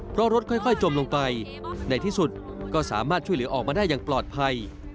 เพราะรถค่อยจมลงไปในที่สุดก็สามารถช่วยเหลือออกมาได้อย่างปลอดภัย